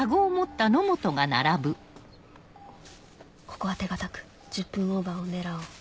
ここは手堅く１０分オーバーを狙おう